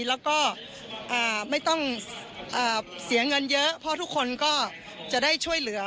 แล้วก็ไม่ต้องเสียเงินเยอะเพราะทุกคนก็จะได้ช่วยเหลือ